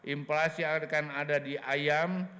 inflasi akan ada di ayam